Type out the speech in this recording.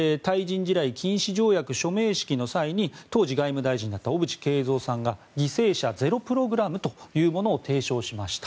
地雷禁止条約署名式の際に当時、外務大臣だった小渕恵三さんが犠牲者ゼロ・プログラムというのを提唱しました。